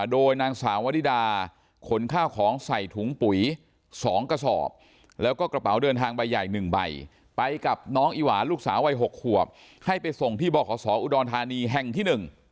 โดยนางสาววริดาขนข้าวของใส่ถุงปุ๋ย๒กระสอบแล้วก็กระเป๋าเดินทางใบใหญ่๑ใบไปกับน้องอีหวานลูกสาววัย๖ขวบให้ไปส่งที่บขสอุดรธานีแห่งที่๑